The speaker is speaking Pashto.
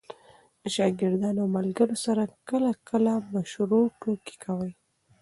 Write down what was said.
د شاګردانو او ملګرو سره کله – کله مشروع ټوکي کوئ!